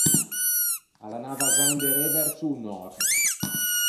A l’anava za inderê verso o nòrd.